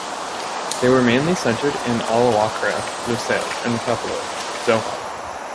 They were mainly centered in Al Wakrah, Lusail and the capital Doha.